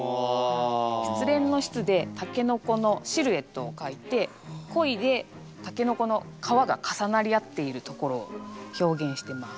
失恋の「失」でタケノコのシルエットを書いて「恋」でタケノコの皮が重なり合っているところを表現してます。